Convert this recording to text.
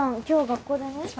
今日学校でね